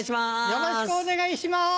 よろしくお願いします！